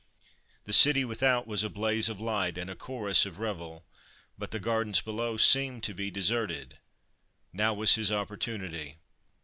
The city without was a blaze of light and a chorus of revel, but the gardens below seemed to be deserted : now was his opportunity.